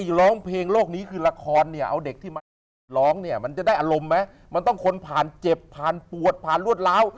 ร้องเพลงโลกนี้คือละครเนี่ยเอาเด็กที่มาอัดร้องเนี่ยมันจะได้อารมณ์ไหมมันต้องคนผ่านเจ็บผ่านปวดผ่านรวดล้าว